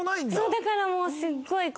だからもう。